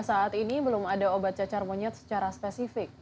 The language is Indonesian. saat ini belum ada obat cacar monyet secara spesifik